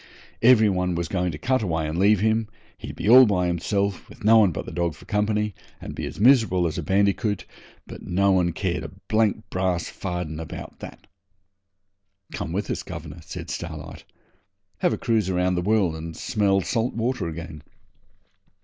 Every one was going to cut away and leave him; he'd be all by himself, with no one but the dog for company, and be as miserable as a bandicoot; but no one cared a blank brass farden about that. 'Come with us, governor,' says Starlight, 'have a cruise round the world, and smell salt water again.